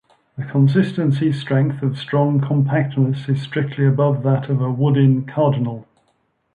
The consistency strength of strong compactness is strictly above that of a Woodin cardinal.